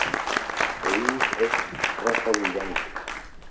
El iris es rojo brillante.